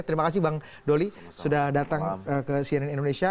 terima kasih bang doli sudah datang ke cnn indonesia